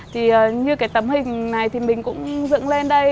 thì như cái tấm hình này thì mình cũng dựng lên đây